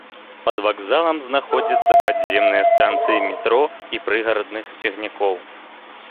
Пад вакзалам знаходзяцца падземныя станцыі метро і прыгарадных цягнікоў.